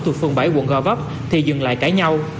thuộc phường bảy quận gò vấp thì dừng lại cãi nhau